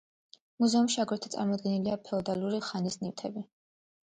მუზეუმში აგრეთვე წარმოდგენილია ფეოდალური ხანის ნივთები.